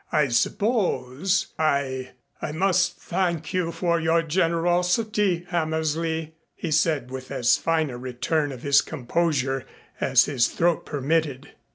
"I suppose I I must thank you for your generosity, Hammersley," he said with as fine a return of his composure as his throat permitted.